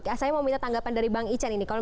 ya saya mau minta tanggapan dari bang icen ini kalau